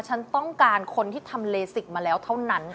ฉันต้องการคนที่ทำเลสิกมาแล้วเท่านั้น